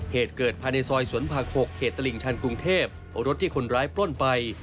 เหตุเกิดภายในซอยสวนผัก๖เขตตลิ่งชันกรุงเทพรถที่คนร้ายปล้นไป